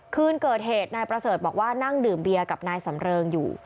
คืนเกิดเหตุนายประเสริฐบอกว่านั่งดื่มเบียร์กับนายสำเริงอยู่